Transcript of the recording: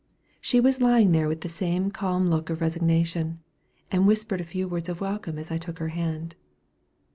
She was lying there with the same calm look of resignation, and whispered a few words of welcome as I took her hand.